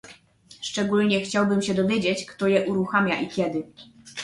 Szczególnie chciałbym się dowiedzieć, kto je uruchamia i kiedy